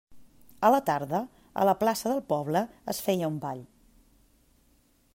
A la tarda, a la plaça del poble es feia un ball.